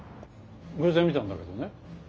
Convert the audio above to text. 偶然見たんだけどね。